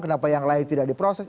kenapa yang lain tidak diproses